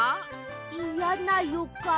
いやなよかん。